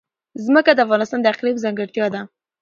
ځمکه د افغانستان د اقلیم ځانګړتیا ده.